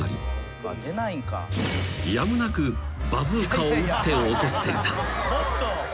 ［やむなくバズーカを撃って起こしていた］